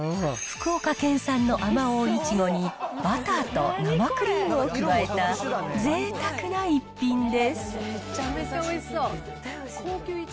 福岡県産のあまおういちごに、バターと生クリームを加えた、ぜいたくな一品です。